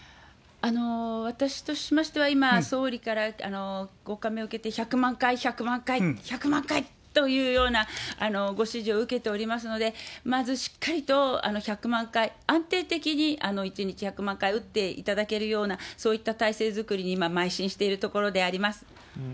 私としましては、総理からご下命を受けて、１００万回、１００万回、１００万回というようなご指示を受けておりますので、まずしっかりと１００万回、安定的に１日１００万回打っていただけるような、そういった体制づくりに今、まい進しているところであります。